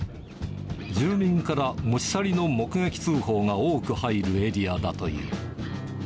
住民から、持ち去りの目撃通報が多く入るエリアだという。